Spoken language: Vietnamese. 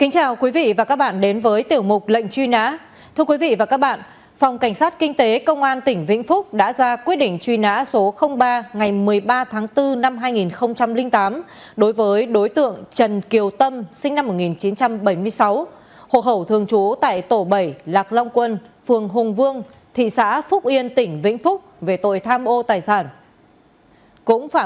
chào mừng quý vị đến với tiểu mục lệnh truy nã